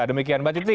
demikian mbak titi